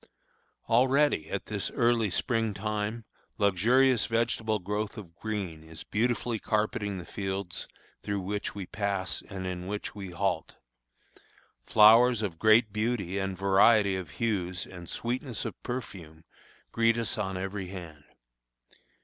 Already, at this early spring time, a luxurious vegetable growth of green is beautifully carpeting the fields through which we pass and in which we halt. Flowers of great beauty and variety of hues and sweetness of perfume greet us on every hand.